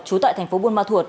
chú tại thành phố buôn ma thuột